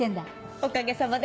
おかげさまで。